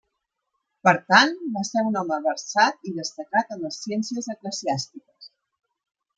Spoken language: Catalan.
Per tant, va ser un home versat i destacat en les ciències eclesiàstiques.